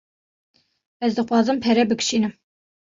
Ez dixwazim pere bikişînim.